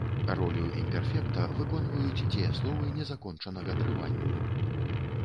Ролю імперфекта выконваюць дзеясловы незакончанага трывання.